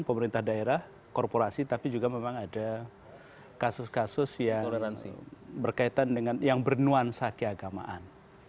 pemerintah daerah korporasi tapi juga memang ada kasus kasus yang berkaitan dengan yang bernuansa keagamaan